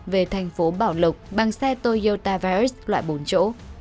về thành phố bảo lục bằng xe toyota varis loại bốn chỗ